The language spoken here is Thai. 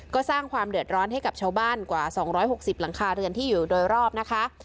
ก็สร้างความเดือดร้อนให้กับชาวบ้านกว่า๒๖๐หลังคาเรือนที่อยู่โดยรอบนะคะ